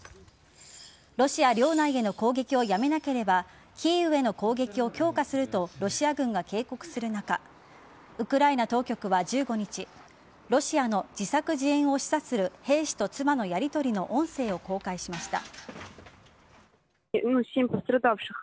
ロシア領内への攻撃をやめなければキーウへの攻撃を強化するとロシア軍が警告する中ウクライナ当局は１５日ロシアの自作自演を示唆する兵士と妻のやりとりの音声を公開しました。